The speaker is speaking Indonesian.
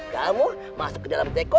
kamu masuk ke dalam teko